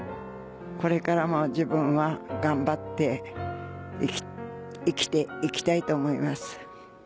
これからも自分は頑張って生きて行きたいと思います。